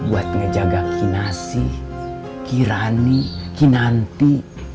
buat ngejaga kinasi kirani kinanti